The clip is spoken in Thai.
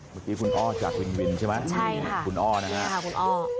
เมื่อกี้คุณอ้อจากวินวินใช่ไหมคุณอ้อนะฮะคุณอ้อ